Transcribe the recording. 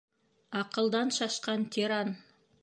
Аҡылдан шашҡан тиран!